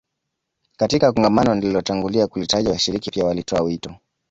Katika kongamano nililotangulia kulitaja washiriki pia walitoa wito